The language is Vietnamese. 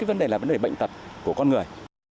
vấn đề bệnh tật của con người